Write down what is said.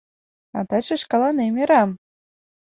А таче шкаланем ӧрам.